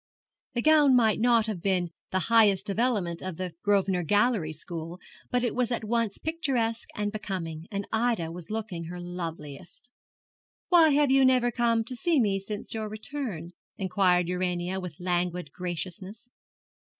The gown might not be the highest development of the Grosvenor Gallery school, but it was at once picturesque and becoming, and Ida was looking her loveliest. 'Why have you never come to see me since your return?' inquired Urania, with languid graciousness.